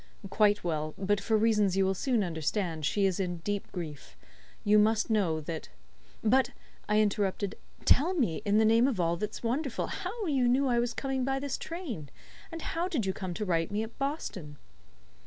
"Quite well, but for reasons you will soon understand, she is in deep grief. You must know that " "But," I interrupted, "tell me, in the name of all that's wonderful, how you knew I was coming by this train; and how did you come to write to me at Boston?"